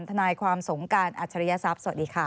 ทนายความสงการอัจฉริยศัพย์สวัสดีค่ะ